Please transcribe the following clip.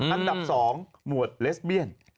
อันดับ๒หมวดเลสเบียน